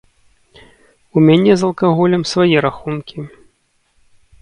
У мяне з алкаголем свае рахункі.